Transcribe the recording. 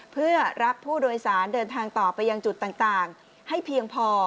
เพื่อรับผู้โดยสารเดินทางต่อไปยังจุดต่างให้เพียงพอ